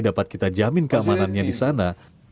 dapat kita jamin keamanannya di sana